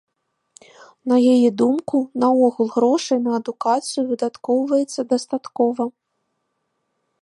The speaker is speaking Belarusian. На яе думку, наогул грошай на адукацыю выдаткоўваецца дастаткова.